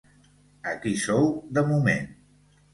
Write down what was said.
Aquí sou, de moment.